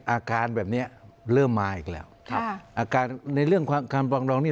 อาการแบบนี้เริ่มมาอีกแล้วอาการในเรื่องการปล่องดองนี่